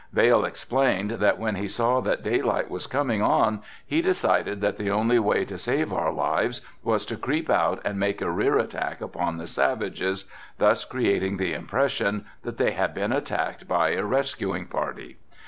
Vail explained that when he saw that daylight was coming on he decided that the only way to save our lives was to creep out and make a rear attack upon the savages, thus creating the impression that they had been attacked by a rescuing party.